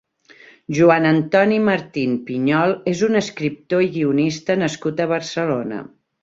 Joan Antoni Martín Piñol és un escriptor i guionista nascut a Barcelona.